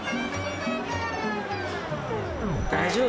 大丈夫？